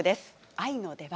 「愛の出番」。